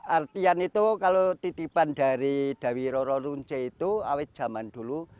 artian itu kalau titipan dari dawiro ronce itu awet zaman dulu